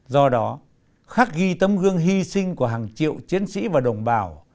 do đó khắc ghi tấm gương hy sinh của hàng triệu chiến sĩ và đồng bào